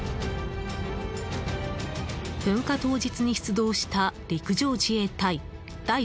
噴火当日に出動した陸上自衛隊第１３